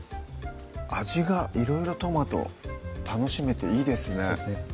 味がいろいろトマト楽しめていいですね